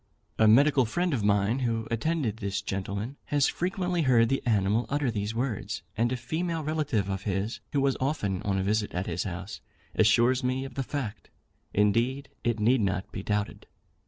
A medical friend of mine, who attended this gentleman, has frequently heard the animal utter these words; and a female relative of his, who was often on a visit at his house, assures me of the fact. Indeed it need not be doubted.